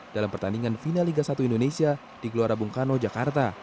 dalam pertandingan final liga satu indonesia di keluarabungkano jakarta